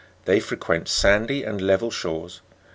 They frequent sandy and level shores.